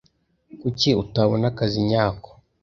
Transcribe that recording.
Kuki utabona akazi nyako?